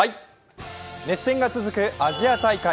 熱戦が続くアジア大会。